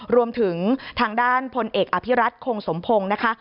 รวมถึงทางด้านพลเอกอภิรัตคงสมพงศ์นะคะ